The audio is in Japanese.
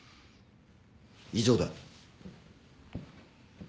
以上だ。